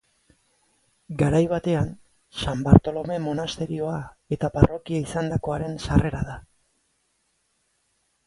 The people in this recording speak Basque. Garai batean San Bartolome monasterioa eta parrokia izandakoaren sarrera da.